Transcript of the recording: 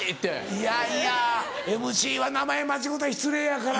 いやいやＭＣは名前間違うたら失礼やからな。